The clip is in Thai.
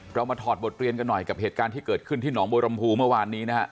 เรามาถอดบทเรียนกันหน่อยกับเหตุการณ์ที่เกิดขึ้นที่หนองบัวรมภูเมื่อวานนี้นะฮะ